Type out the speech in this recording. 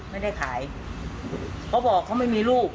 ไม่ได้ขายเขาบอกเขาไม่มีลูก